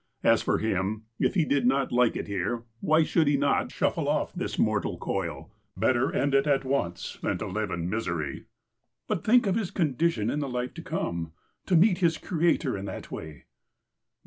As for him, — if he did not like it here, why should he not shuffle off this mortal coil ? Better end it at once than to live in misery." ''But think of his condition in the life to come. To meet his Creator in that way